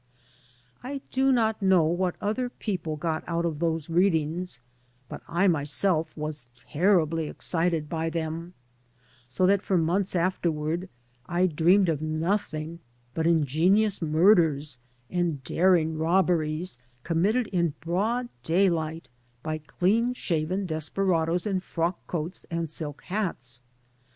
I do not know what other people got but of those readings, but I myself was terribly excited by them» so that for months afterward I dreamed of nothing but ingenious mtirders and daring robberies committed in broad daylight Iby clean shaven des peradoes in ^frock coats and silk hats.